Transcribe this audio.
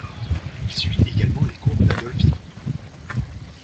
Il suit également les cours d'Adolphe Yvon.